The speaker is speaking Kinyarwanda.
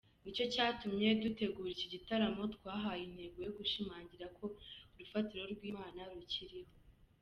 Nicyo cyatumye dutegura iki gitaramo twahaye intego yo gushimangira ko urufatiro rw’Imana rukiriho.